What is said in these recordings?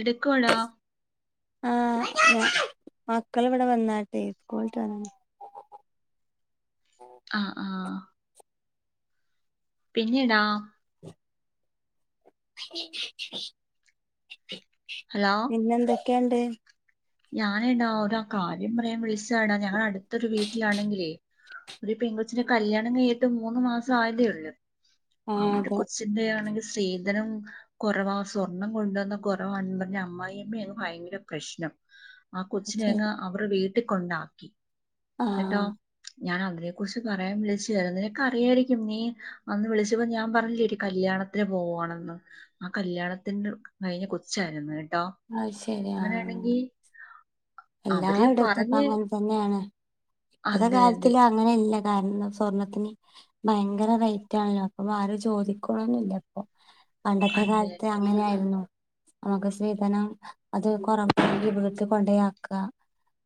എടുക്കുവെടാ ആഹ് മക്കൾ ഇവിടെ വന്നാട്ടെ സ്കൂൾ വിട്ട് വന്ന് ആഹ് ആഹ് പിന്നീടാ [unintelligible] നിന്നെന്താ കേണ്ടേ ഞാനെടാ ഒരു കാര്യം പറയാൻ വിളിച്ചാടാ ഞങ്ങടെ അടുത്തൊരു വീട്ടിലാണെങ്കിലേ ഒരു പെൺകൊച്ചിന്റെ കല്യാണം കഴിഞ്ഞിട്ട് മൂന്ന് മാസം ആയതേ ഉള്ളു അവന്റെ ആഹ് കൊച്ചിന്റെ ആണെങ്കിൽ സ്ത്രീധനം കുറവാ സ്വർണം കൊണ്ടുവന്ന കുറവാണെന്ന് പറഞ്ഞ് അമ്മായിയമ്മ അങ്ങ് ഭയങ്കര പ്രശ്നം ആ അതെ ശരി കൊച്ചിനേയങ്ങ് അവരുടെ വീട്ട ട്ടി കൊണ്ടാക്കി എന്നിട്ടോ ആഹ് ഞാൻ അവനെ കുറിച്ച് പറയാൻ വിളിച്ചയാ. നിനക്കറിയായിരിക്കും നീ അന്ന് വിളിച്ചപ്പോ ഞാൻ പറഞ്ഞില്ലേടി കല്യാണത്തിന് പോവാണെന്ന് ആ കല്യാണത്തിന്കഴിഞ്ഞ കൊച്ചാരുന്നു. അത് ശെരി ആ അവര് എല്ലായിടത്തും ഇപ്പ പറഞ്ഞ് അങ്ങനെ തന്നെയാണ് ഇപ്പത്തെ അതെ അതെ കാലത്തില് അങ്ങനല്ലേ. കാരണം സ്വർണത്തിന് ഭയങ്കര റേറ്റ് ആണല്ലോ, അപ്പൊ ആരും ചോദിക്ക്ണൊന്നുല്ലപ്പൊ. പണ്ടത്തെ അതെ കാലത്ത് അതെ അങ്ങനെയായിരുന്നു. നമുക്ക് സ്ത്രീധനം അത് കൊറ [unintelligible] വീട്ട് കൊണ്ടെയാ ക്കാ.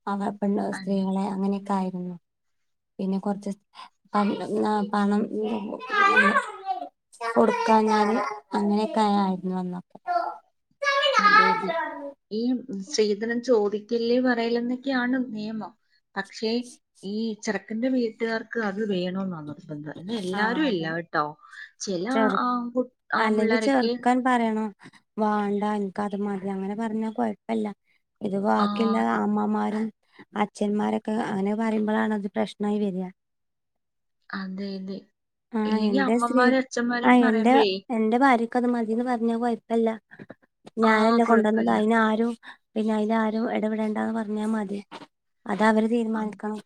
മക പെണ്ണ് അതെ സ്ത്രീകളെ അങ്ങനെയൊക്കെ ആയി. മ് പിന്നെ കുറച്ച് പണ്ടം ന്നാ പണം കൊടുക്കാഞാല് അങ്ങനെയൊക്കെയാ ആയിരുന്നു അന്നൊക്കെ. അതെ അതെ ഈ ശ്രീധനം ചോദി ക്കല്ലേ പറയലെന്നൊക്കെയാണ് നിയമം. പക്ഷേ ഈ ചെറക്കന്റെ വീട്ടുകാർക്ക് അത് വേണോന്നാണ്. ആഹ് എല്ലാരും ഇല്ല അതെ കേട്ടോ ചെല ചെറു ആൺകു ആൺ അല്ലെങ്കിൽ പിള്ളാരൊക്കെ ചെറുക്കൻ പറയണം വാണ്ട എനിക്ക് അത് മതി അങ്ങനെ പറഞ്ഞാ കൊയപ്പല്ല. ഇത് ആ വാക്കില്ല ഇ- അമ്മമാരും, അച്ഛന്മാരൊക്കെ അങ്ങനെ പറയുമ്പളാണ് അത് പ്രശ്നായി വര. അതെ അതെ ഇല്ലെങ്കി എന്റെ സ്ത്രീ അമ്മമാരും അച്ഛന്മാരും ആഹ് എന്റെ പറയുമ്പേ എന്റെ ഭാര്യക്ക് അത് മതിന്ന് പറഞ്ഞാ കൊയപ്പല്ല ആ ഞാനല്ലേ കൊണ്ടുവന്നത് കുഴപ്പമില്ല അയിനാരും പിന്നെ അയിലാരും എടപെടേണ്ടാന്ന് പറഞ്ഞാ മതി അതവര് തീരുമാനിക്കണം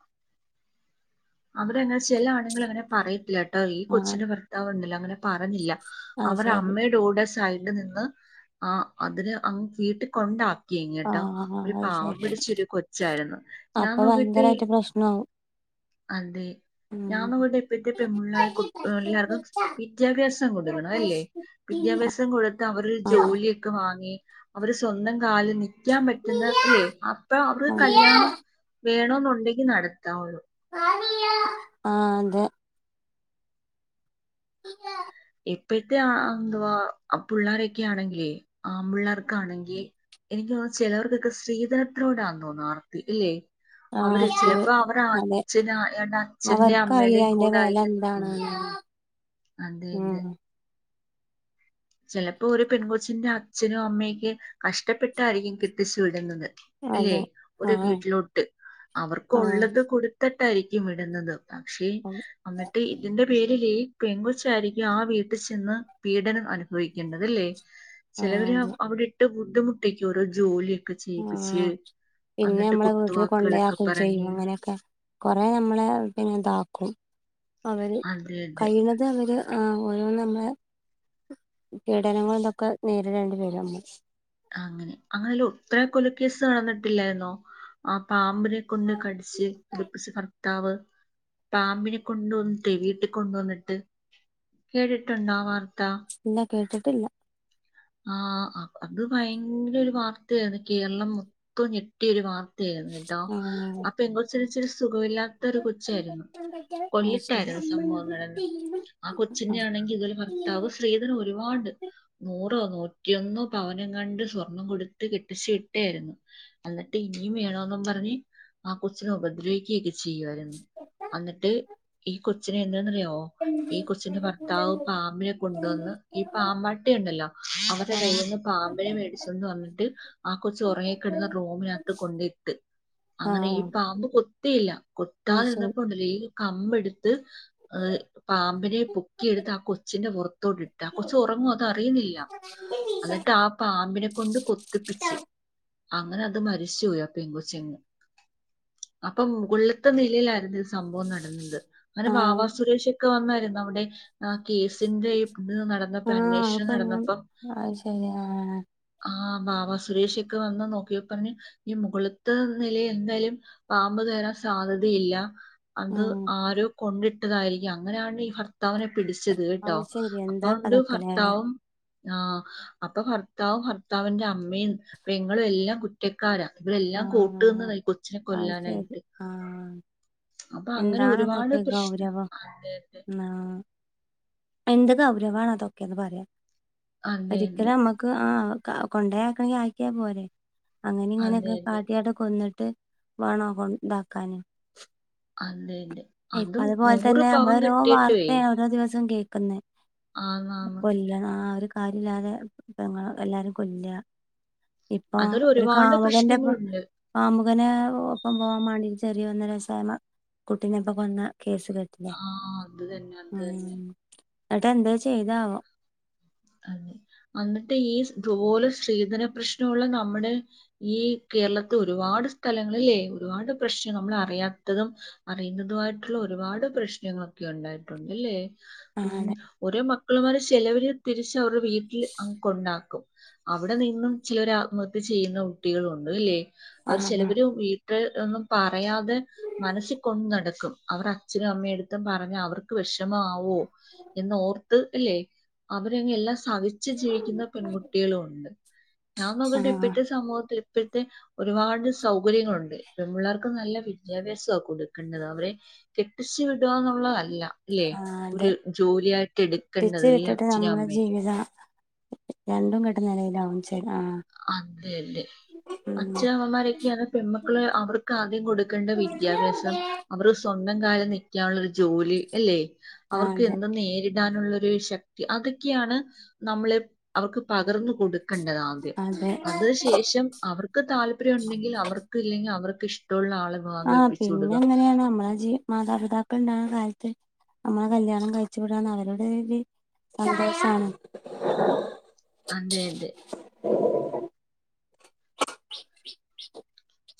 അവിടെങ്ങനെ ചെലാണ് നിങ്ങളങ്ങനെ പറയത്തില്ല ഏ ഈ ആഹ് കൊച്ചിന് ഭർത്താവ്ണ്ടല്ലോ അങ്ങനെ പറഞ്ഞില്ല അത് ശരി അവരമ്മയുടൂടെ സൈ ട് നിന്ന് ആ അതിന് അം വീട്ടികൊണ്ടാ ക്കി ങ്ങ്ട്ടോ ആഹ് ഒരു അത് പാവം ശരി പിടിച്ചൊരു കൊച്ചാരുന്നു ഞാൻ അപ്പൊ നോക്കിട്ട് ഭയങ്കരായിട്ട് പ്രശ്നാവും അതെ ഉം ഞാനവിടെ ഇപ്പഴത്തെ പെൺ പിള്ളാർക്കും [unintelligible] വിദ്യാഭ്യാസം കൊടുക്കണം അയല്ലേ വിദ്യാഭ്യാസം കൊടുത്ത് അവരൊരു ആഹ് ജോലിയൊക്കെ വാങ്ങി അവര് സ്വന്തം കാലിൽ നി ക്കാൻ പറ്റുന്ന അല്ലെ അപ്പൊ അവർക്ക് കല്യാണം വേണോന്നുണ്ടെങ്കി നടത്താവുള്ളൂ ആ അതെ ഇപ്പഴത്തെ ആ ന്തുവാ പുള്ളാരൊക്കെ ആണെങ്കിലേ ആമ്പിള്ളേർക്കാണെങ്കിൽ എനിക്ക് തോന്ന്ന്നുചിലർക്കൊക്കെ സ്ത്രീധനത്തോട്ആ നെന്ന്തോനുന്നു ആർത്തി ഇല്ലേ ആഹ് അവര് ശരി ചിലപ്പോ അവർ അതെ അച്ഛന അച്ഛന്റെയും അവർക്കറിയില്ല അമ്മയുടെയും അയിന്റെ കൂടെ വെല ആയിരിക്കും നിൽക്കുന്നത് എന്താണ്ന്ന് അതെ അതെ - ഉം ചെലപ്പോ ഒരു പെൺകൊച്ചിന്റെ അച്ഛനും അമ്മയെക്കെ കഷ്ടപ്പെട്ടായിരിക്കും കെട്ടിച്ചു വിടുന്നത്- അല്ലെ അതെ ഒരു ആഹ് വീട്ടിലോട്ട് ആഹ് അവർക്കൊള്ളത് കൊടുത്ത- യിരിക്കും വിടുന്നത്- പക്ഷേ ആഹ് അന്നിട്ട് ഇതിന്റെ പേരില്- പെൺകൊച്ചായിരിക്കും ആ വീട്ടിൽ ചെന്ന് പീഡനം അനുഭ ഭവിക്കേണ്ടതല്ലേ? ചിലവര് അതെ അവിടെ ഇട്ട് ബുദ്ധിമുട്ടിക്കും ഓരോ ജോലി- ആ പിന്നെ നമ്മളെ വീട്ടിൽ കുത്തുവാക്കുകളൊക്കെ കൊണ്ടയാക്കും പറഞ്ഞ് ചെയ്യും അങ്ങനെയൊക്കെ കൊറെ നമ്മളെ പിന്നെ എന്താ- ക്കും- അവര് അതെ അതെ കഴിയുന്നത് അവര് ആ നമ്മള് പീഡനങ്ങൾക്കെ നേരിടേണ്ടി വരും അങ്ങനെ അങ്ങനെയല്ല ഉത്ര കൊലക്കേസ് നടന്നിട്ടില്ലായിരുന്നോ ആ പാമ്പിനെ കൊണ്ട് കടിച്ച് കുലുപ്പച്ച് ഭർത്താവ് പാമ്പിനെ കൊണ്ട് വന്നിട്ട് വീട്ടിൽ കൊണ്ട് വന്നിട്ട് കേട്ടിട്ടുണ്ടാ വർത് ത്താ- ഇല്ല കേട്ടിട്ടില്ല ആ അത് ഭയങ്കോരു വാർത്തയാരുന്നു കേരളം മൊത്തം ഞെട്ടിയ ഒരു വാർ ത്തെ ആരുന്നു കേട്ടോ ആ ആ പെങ്കൊച്ചിന് ഇച്ചിരി സുഖവില്ലാ ത്ത ഒരു കൊച്ചാരുന്നു കൊല്ലത്തായിരുന്നു സംബവം നടന്ന ആ കൊച്ചിന്റെ ആണെങ്കി ഇത് പോലെ ഭർത്താവ് സ്ത്രീധനം ഒരുപാട് നു റോ നൂറ്റിയൊന്നോ പവനെങ്ങാണ്ട് സ്വർണം കൊടുത്ത് കെട്ടിച്ച് വിട്ടെയാരുന്നു അന്നിട്ട് ഇനിയും വേണംന്ന് പറഞ്ഞ് ആ കൊച്ചിനെ ഉപദ്രവിക്കെ ഒക്കെ ചെയ്ത് ചെയ്യുവാരുന്ന് അന്നിട്ട് ഈ കൊ ച്ചിനെ എന്താന്നറിയാവോ ഓ ഈ കൊച്ചിന്റെ ഭർത്താവ് പാമ്പിനെ കൊണ്ടുവന്ന് ഈ പാമ്പാട്ടിയൊണ്ടല്ലോ അവർടെ കയ്യീന്ന് പാമ്പിനെ മേടിച്ചൊണ്ട് വന്നിട്ട് ആ കൊച്ച് ഒറങ്ങി കിടുന്ന റൂമിനത്ത് കൊണ്ടയിട്ട് അങ്ങനെ ഈ പാമ്പ് കൊത്തില്ല ആ ശരി കൊത്താതിരന്നപ്പോ ഒണ്ടല്ലോ ഈ ഒര് കമ്പെട് ത് ആഹ് പാമ്പിനെ പൊക്കിയെടുത്ത് ആ കൊച്ചിന്റെ പൊറത്തോട്ടിട്ട് ആ കൊച്ച് ഒറങ്ങുവാ അത് അറിയുന്നില്ല അന്നിട്ട് ആ പാമ്പിനെ കൊണ്ട് കൊത്തിപ്പിച്ച് അങ്ങനെ അത് മരിച്ചു പോയി ആ പെങ്കൊച്ചങ്ങ് അപ്പം മുകുൾലത്തെ നിലേലാരുന്നു ഇസ് സംബോം നടന്ന്‌ത് അങ്ങനെ ആ വാവാ സുരേഷ് ക്ക് വന്നാരുന്നോ അവിടെ ആ കേസിന്റെയും ഇത് നടന്നപ്പോ അന്വേഷ് നടന്ന അഹ് ശെരി ആ ആഹ് ബാവാ സുരേഷിക്ക് വന്ന് നോക്കിയപർഞ്ഞ് ഈ മുകുള്ത്തെ നിലേ എന്തയലും പാമ്പ് കേറാൻ സാധ്യതയില്ലാ അത് ആഹ് ആരോ കൊണ്ടിട്ടതാഴിരിക്കും അങ്ങനെയാണ്ടി ഈ ഭർത്താവിനെ പിടിച്ചത് കേട്ടോ അത് ശരി അപ്പ എന്താ ഒണ്ട് കഥക്കലേ ഭർത്താവും ആഹ് അപ്പ ഭർത്താവും ഭർത്താവിന്റെ അമ്മയും പെങ്ങളും എല്ലാം കുറ്റക്കാരാ ഇവരെല്ലാം ആഹ് കൂട്ട്ന്നതാ ഈ കൊ ച്ചിനെ അത് ശരി കൊല്ലാനായിട്ട് ആഹ് അപ്പ അങ്ങനെ എന്താണ് ഒരുപാട് അതൊക്കെ ഗൗരവം പെശ്--അതെ തെ ആഹ് എന്ത് ഗൗരവാണതൊക്കെന്ന് പറയാ അതെ ഒരിക്കല് അമ്മക്ക് ആഹ് കാ കൊണ്ടേയാക്കണെങ്കി ആക്കിയാ പോരെ അങ്ങനെ അതെ അതെ ഇങ്ങനെയൊക്കെ അതെ കാട്ടിയാട്ട് കൊന്ന് ട്ട് വാണോ കൊൺണ്ടാക്കാന് അതെ അതെ ഇപ്പ അതും അതുപോൽ നൂറ് തന്നെ നമ്മൾ പവൻ ഒരോ കിട്ടിയിട്ടുവേ വാർത്തയാ ഓരോ ദിവസവും കേ പന്നെ ആന്നാന്ന് മുക്കോയില്ലേ ന്നാര് കാര്യല്ലാതെ പെങ്ങളും എല്ലാരും കൊല്യാ ഇപ്പ അതിൽ ഒരു ഒരുപാട് കാമുകന്റെ പ പ്രശ്നങ്ങളുണ്ട് കാമു അങ്ങനെ ഒപ്പം പോകാംമാണ്ടി ചെറിയ ഒന്നരസായ മ കുട്ടീനെപ്പ കൊന്ന കേസ് കേട്ടില്ലേ ആ അത് തന്നെ അത് ഉം ഉം തന്നെ ഉം എന്നിട്ട് എന്ത്‌ ചെയ്താവോ അത് അന്നിട്ട് ഇത്പോലെ സ്ത്രീധന പ്രശ്നോള്ള നമ്മടെ ഈ കേരളത്ത് ഒരുപാട് സ്ഥലങ്ങളില്ലേ ഒരുപാട് പ്രശ് നമ്മള് അറിയാത്തതും അറിയുന്നതുമായിട്ടുള്ള ഒരുപാട് പ്രശ്നങ്ങളൊക്കെ ഒണ്ടായിട്ടൊണ്ട് ഇല്ലേ ഉ ആള് ഒരേ മക്കള്മാരെ ചിലവര് തിരിച്ച് അവരുടെ വീട്ടിൽ അ കൊണ്ടാക്കും അവിടെ നിന്നും ചിലർ ആത്മഹത്യ ചെയ്യുന്ന കുട്ടികളുണ്ട് അല്ലേ അവർ ആഹ് ചിലവര് വീട്ടിൽ ഒന്നും പറയാതെ മനസ്സിൽ കൊണ്ട് നടക്കും അവർ അച്ഛനും അമ്മയു എടുത്ത പറഞ്ഞാ അവർക്ക് വിഷ- [unintelligible] [unintelligible] മാവോ എന്ന് ഓർത്ത് അല്ലേ അവര് അങ് എല്ലാ സഹിച്ച് ജീവിക്കുന്ന പെൺകുട്ടികളും ഉണ്ട് ഞാൻ ആഹ് നോക്കിട്ട് ആഹ് ഇപ്പത്തെ സമൂഹത്തിൽ ഇപ്പോഴത്തെ ഒരുപാട് സൗകര്യങ്ങളുണ്ട് പെൺപിള്ളേർക്ക് നല്ല വിദ്യാഭ്യാസ കൊടുക്കേണ്ടത് അവരെ കെട്ടിച്ചു വിടുകന്നുള്ളതല്ല [unintelligible] അല്ല ഇല്ലേ ഒരു അതെ ജോലിയായിട്ട് എടുക്കണ്ടത് [unintelligible] നമ്മുടെ ജീവിതം രണ്ടും കെട്ട നിലയിലാവും ചെ അതെ അതെ ഉം അച്ഛമ്മമാരൊക്കെയ ആ പെൺമക്കള് അവർക്ക് ആദ്യം കൊടുക്കേണ്ട വിദ്യാഭ്യാസം അവർ സ്വന്തം കാലൽ നിക്കാനുള്ള ഒരു ജോലി എല്ലേ? ആഹ് അവർക്ക് അതെ എന്തും നേരി ഇടാനുള്ളൊരു ശക്തി അതൊക്കെയാണ് നമ്മള് അവർക്ക് പകർന്ന് കൊടുക് കണ്ടതാ ആദ്യം അതെ അതിനു ശേഷം അവർക്ക് താല്പര്യം ഉണ്ടെങ്കിൽ അവർക്ക് ഇല്ലെങ്കിൽ അവർക് ക്ക് ശേ ആഹ് പിന്നെ എങ്ങനെയാണ് നമ്മളെ ജീ മാതാപിതാക്കൾ ഉണ്ടാവുന്ന കാൽ നമ്മളെ കല്യാണം കഴിച്ചു വിടാന്ന് അവരുടെ സന്തോഷമാണ്. അതെ അതെ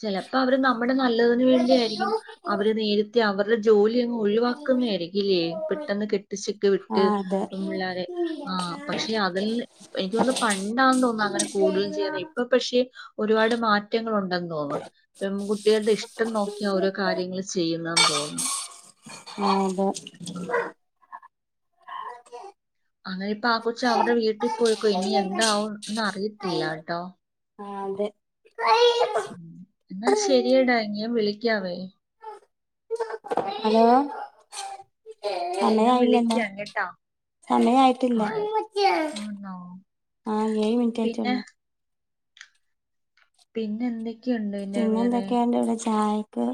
ചിലപ്പോ അവര് നമ്മ നമ്മുടെ നല്ലതിന് ആ വേണ്ടിയാരിക്കും അവര് നേരത്തെ അവർ ഒരു ജോലി ലിയങ്ങ് ഒഴിവാക്കുന്ന ആയിരിക്കില്ലേ പെട്ടെന്ന് കെട്ടിച്ചൊക്കെ വിട്ട് അതെ പിള്ളേരെ ആ പക്ഷെ അതില് എനിക്ക് തോന്നുന്നു പണ്ടാ തോന്നുന്നു അങ്ങനെ കുടുതൽ ചെയ്യുന്ന ഇപ്പ പക്ഷെ ഒരുപാട് മാറ്റങ്ങളു ണ്ടെന്ന് തോന്നെ പെകുട്ട്യേൾടെ ഇഷ്ടം നോക്കി ഓരോ കാര്യങ്ങള് ചെയ്യുന്നെന്ന് തോന്നു അതെ അതെ അങ്ങനെ ഇപ്പൊ ആ കൊച്ച് അവര്ടെ വീട്ടിൽ പോയേക്കാ ഇനി എന്താവുംന്ന് അറിയത്തില്ല ട്ടോ ആ അതെ എന്നാ ശരിയടാ ഞാൻ വിളി ക്കാവേ ഹലോ ഞാൻ സമയായില്ലല്ലൊ വിളിക്കാം കേട്ടാ സമയായിട്ടില്ല ഭയ- ആണോ ആഹ് ഏഴ് പിന്നെ മിൻറ്റായിട്ടൊള്ളു പിന്നെന്തേ പിന്നെ എന്തൊക്കേണ്ട് ഇവിടെ ചായ ക്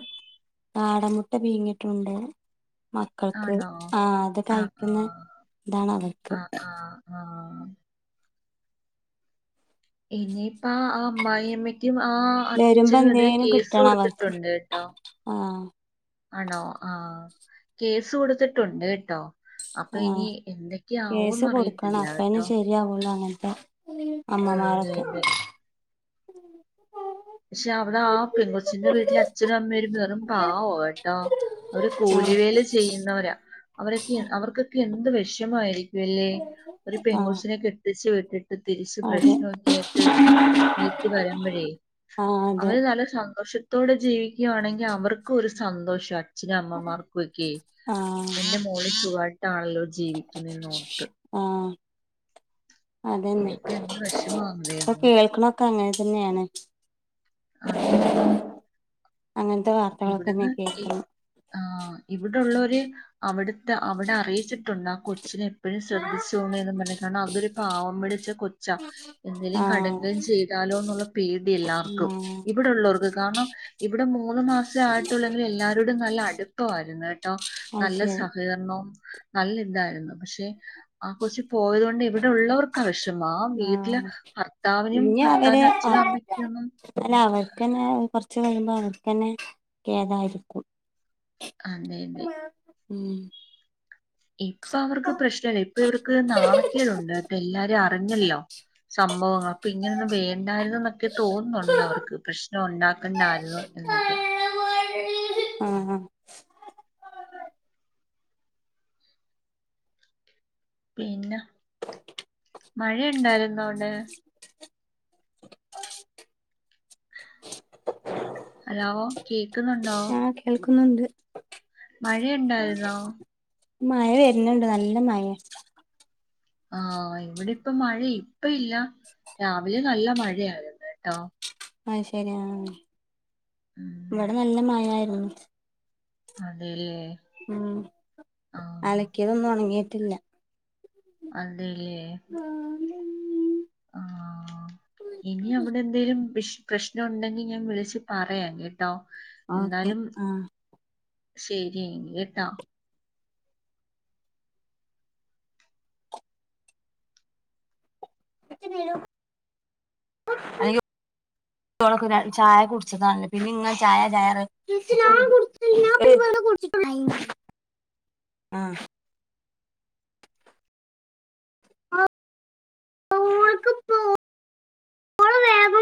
കാടമുട്ട പീങ്ങിട്ടുണ്ട്‌ മക്കൾക്ക് ആണോ ആഹ് അത് ആ കഴിക്കുന്ന ആ ഇതാണ് അവർക്ക് ആ ആ ആ ഇനിപ്പാ ആ അമ്മായിയമ്മ ക്കും ആ വരുമ്പോ അച്ഛനും എതിരെ എന്തേലും കേസ് കിട്ടണം അവർക്ക് കൊടുത്തിട്ടുണ്ട് ട്ടോ ആഹ് ആണോ ആഹ് കേസ് കൊടുത്തിട്ടുണ്ട് കെട്ടോ ആഹ് കേസ് കൊടുക്കണം അപ്പേനേ ശരിയാവൊള്ളൂ അങ്ങ [unintelligible] അതെ തെ പക്ഷെ അവിടെ ആ പെങ്കൊച്ചിന്റെ വീട്ടിലെ അച്ഛനും അമ്മയും വെറും പാവാ കെട്ടോ. അവര് കൂലിവേല ചെയ്യുന്നവരാ. അവരൊക്കെ അവർക്കൊക്കെ എന്ത് വെഷമായിരി വല്ലെ ഒരു ആഹ് ആഹ് പെങ്കൊച്ചിനെ കെട്ടിച്ച് വി തിരിച്ച് അതെ പ്രശ്നൊക്കെ ആയിട്ട് വീട്ടി വരുമ്പഴേ ആഹ് അതെ അവര് നല്ല സ സന്തോഷത്തോടെ ജീവിക്കുകയാണെങ്കി അവർക്കും ഒരു സന്തോഷ അച്ഛനും അമ്മമാർക്കും ഒക്കെ ആഹ് എന്റെ മോള് സുഖാ ട്ടാണല്ലോ ജീവിക്കുന്നെന്നോർത്ത്. ആഹ് അതന്നെ എന്ത് പ്പൊ വിഷമാണെന്നറിയാമോ കേൾക്ക്ണൊക്കെ അങ്ങനെ പിന്നേണ്. അതെല് അങ്ങനത്തെ വാർത്തകളൊക്കെന്നെ ഇവിടുന്ന് ഇ കേൾക്കണെ ആ ഇവിടുള്ളോര് അവിടുത്തെ അവിടെ അറിയിച്ചിട്ടുണ്ട് ആ കൊച്ചിനെ എപ്പോഴും ശ്രദ്ധിച്ചോണെന്ന് പറഞ്ഞിക്കാണ്ട് അതൊരു പാവം പിടിച്ച കൊച്ച എന്തെങ്കിലും ആഹ് കടുംകൈ ചെയ്താലോ എന്നുള്ള പേടി എല്ലാർക്കും ആഹ് ഇവിടുള്ളോർക്ക് കാരണം ഇവിടെ മൂന്ന് മാസം ആയിട്ടൊള്ളേലും എല്ലാരോടും നല്ല അടുപ്പമായിരുന്ന് കേ അത് ണ്ടാവുംനല്ല ശരി സഹകരണവും നല്ല ഇതായിരുന്നു പക്ഷെ ആ കൊച്ച് പോയത് കൊണ്ട് ഇവിടെ അവിടെ ഉള്ളോർക്കാനിഷ്ടം ആ വീട്ടില് ആഹ് ഭർത്താവിനും ഇനി അവര് ഭർത്താവിന്റെ അച്ഛനും അമ്മക്കും ഒന്നും ക്കന്നെ കൊറച്ച്കഴിയുമ്പോ അവക്കന്നെ കേതായിരിക്കും അതെതെ ഉം അവർക്ക് പ്രശ്നല്ല ഇപ്പൊ ഇവർക്ക് നാണക്കേടുണ്ട് ഇപ്പൊ എല്ലാരും വേണ്ടായിരുന്നുന്നൊക്കെ തോന്നുന്നുണ്ട് അവർക്ക് പ്രശ്നം ഉണ്ടാക്കണ്ടായിരുന്നു എന്നൊക്കെ ആഹ പിന്നെ മഴ ഉണ്ടായിരുന്നോ അവ്ടെ അലോ കേ ക്കുന്നുണ്ടോ ക്കുന്നുണ്ട് മഴയുണ്ടാരുന്നോ? മഴ വരുന്നുണ്ട് നല്ല മയ- ആഹ ഇവിടെ ഇപ്പ മഴ ഇപ്പ ഇല്ല രാവിലെ നല്ല മഴയാരുന്നു കേട്ടോ? ആഹ ശരി ആ- ഉം ഇവിടെ നല്ല മയയായി- [unintelligible] അതെല്ലേ? ഉം ആഹ് അലക്കിയതൊന്നും ഉണങ്ങി ട്ടില്ല- ആഹ് - ഇല്ലേ- ആഹ ഇനി അവിടെ എന്തെലും വിഷ പ്രശ്നം ഉണ്ടെങ്കിൽ ഞാൻ വിളിച്ച് പറയാൻ കേ ആ ഓക്കെ ആ- ശരിയെങ്കി കേട്ടാ- [unintelligible] ചായ കുടിച്ചതാണല്ലോ പിന്നെ ഇങ്ങനെ ചായ ചായ [unintelligible] ഓൾക്ക് ഇപ്പോ ഓള് വേഗം